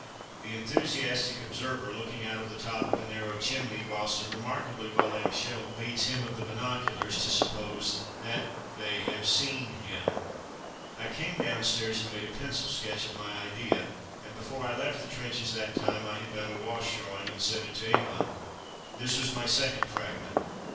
_, the enthusiastic observer looking out of the top of a narrow chimney, whilst a remarkably well aimed shell leads "him of the binoculars" to suppose that they have seen him. I came downstairs and made a pencil sketch of my idea, and before I left the trenches that time I had done a wash drawing and sent it to England. This was my second "Fragment."